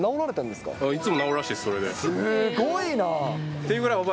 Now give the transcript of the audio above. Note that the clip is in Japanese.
すごいなあ。